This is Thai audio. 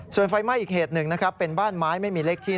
ส่วนไฟไหม้อีกเหตุหนึ่งนะครับเป็นบ้านไม้ไม่มีเลขที่